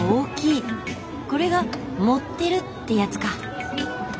これが「盛ってる」ってやつか。